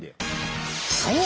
そう！